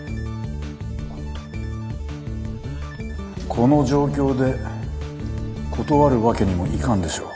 この状況で断るわけにもいかんでしょう。